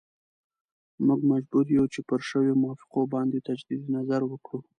موږ مجبور یو چې پر شویو موافقو باندې تجدید نظر وکړو.